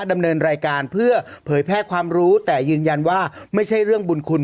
ดำเนินรายการเพื่อเผยแพร่ความรู้แต่ยืนยันว่าไม่ใช่เรื่องบุญคุณ